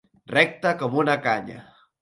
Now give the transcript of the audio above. Recte com una canya.